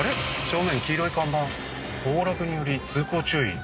正面黄色い看板「崩落により通行注意」